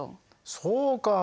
そうか。